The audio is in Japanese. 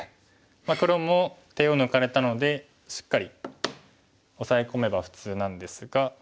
黒も手を抜かれたのでしっかりオサエ込めば普通なんですが。